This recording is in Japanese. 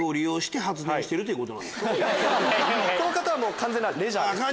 この方は完全なレジャーです。